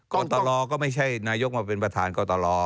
กรตลก็ไม่ใช่นายกมาเป็นประธานกรตล